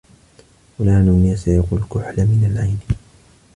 فلان يسرق الكحل من العين